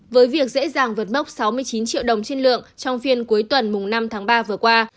với việc dễ dàng vượt mốc sáu mươi chín triệu đồng trên lượng trong phiên cuối tuần năm tháng ba vừa qua